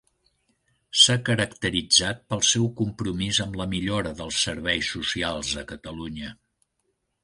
S’ha caracteritzat pel seu compromís amb la millora dels Serveis Socials a Catalunya.